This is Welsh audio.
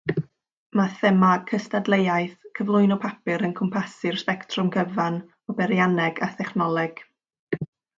Mae themâu cystadleuaeth cyflwyno papur yn cwmpasu'r sbectrwm gyfan o beirianneg a thechnoleg.